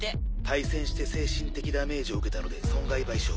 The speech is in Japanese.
対戦して精神的ダメージを受けたので損害賠償を。